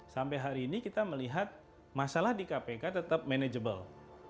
sampai hari ini kita melihat masalah di kpk tetap manageable